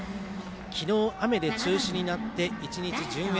昨日、雨で中止になって１日順延。